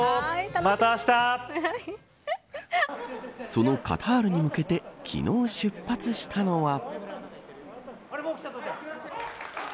そのカタールに向けて昨日、出発したのは。